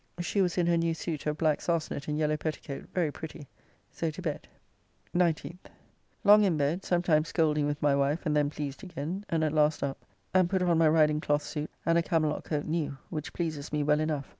She was in her new suit of black sarcenet and yellow petticoat very pretty. So to bed. 19th. Long in bed, sometimes scolding with my wife, and then pleased again, and at last up, and put on my riding cloth suit, and a camelott coat new, which pleases me well enough.